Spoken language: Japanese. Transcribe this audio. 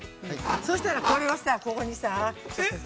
そしたら、これはさ、ここにさ。